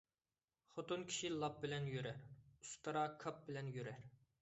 خوتۇن كىشى لاپ بىلەن يۈرەر، ئۇستىرا كاپ بىلەن يۈرەر